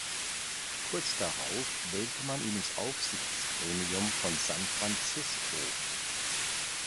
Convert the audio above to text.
Kurz darauf wählte man ihn ins Aufsichtsgremium von San Francisco.